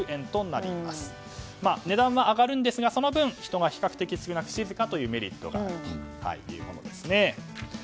値段は上がるんですがその分、人は比較的少なく静かというメリットがあるというものですね。